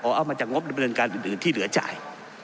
เอามาจากงบดำเนินการอื่นที่เหลือจ่าย